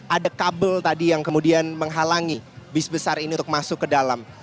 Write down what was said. ada kabel tadi yang kemudian menghalangi bis besar ini untuk masuk ke dalam